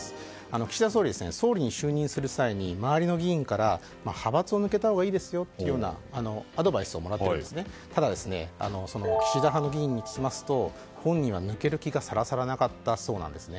岸田総理は総理に就任する際に周りの議員から派閥を抜けたほうがいいというアドバイスをもらってただ、岸田派の議員に聞きますと本人は抜ける気がさらさらなかったそうなんです。